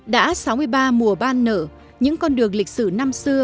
đã sáu mươi ba mùa ban nở những con đường lịch sử năm xưa